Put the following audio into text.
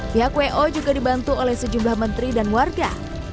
pihak wo juga dibantu oleh sejumlah menteri dan warga